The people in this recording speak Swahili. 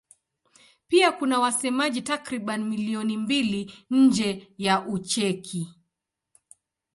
Pia kuna wasemaji takriban milioni mbili nje ya Ucheki.